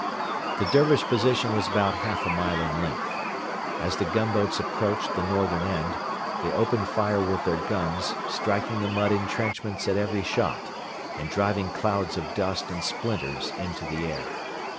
The Dervish position was about half a mile in length. As the gunboats approached the northern end they opened fire with their guns, striking the mud entrenchments at every shot, and driving clouds of dust and splinters into the air.